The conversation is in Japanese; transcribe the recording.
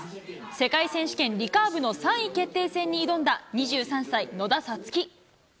世界選手権リカーブの３位決定戦に臨んだ２３歳、野田紗月。